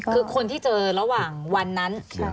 คือคนที่เจอระหว่างวันนั้น